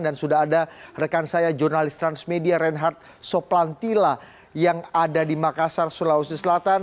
dan sudah ada rekan saya jurnalis transmedia reinhard soplantila yang ada di makassar sulawesi selatan